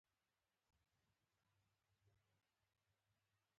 زما ادې اکا او د هغه ګرده کورنۍ يې ګرد سره شهيدان کړي وو.